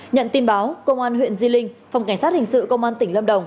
nhận tin báo công an huyện di linh phòng cảnh sát hình sự công an tỉnh lâm đồng